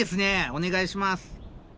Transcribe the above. お願いします。